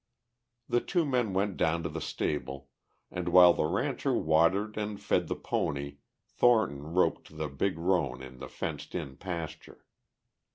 The two men went down to the stable, and while the rancher watered and fed the pony Thornton roped the big roan in the fenced in pasture.